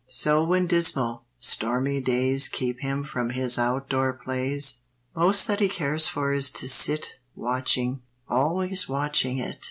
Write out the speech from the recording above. So when dismal, stormy days Keep him from his out door plays, Most that he cares for is to sit Watching, always watching it.